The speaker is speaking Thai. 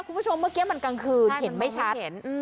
คุณผู้ชมเมื่อกี้มันกลางคืนเห็นไม่ชัด